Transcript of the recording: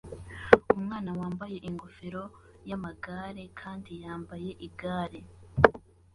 Umwana wambaye ingofero yamagare kandi yambaye igare